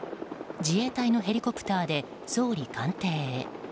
自衛隊のヘリコプターで総理官邸へ。